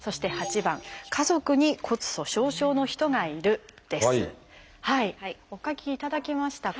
次にお書きいただきましたか？